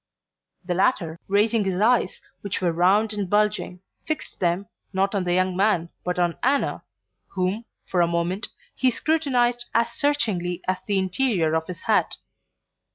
The latter, raising his eyes, which were round and bulging, fixed them, not on the young man but on Anna, whom, for a moment, he scrutinized as searchingly as the interior of his hat.